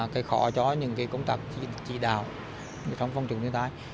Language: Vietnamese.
cái khó cho những cái công tác chỉ đạo trong phòng chủng tiến tài